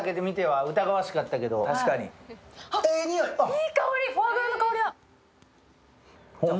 いい香り、フォアグラの香りだ！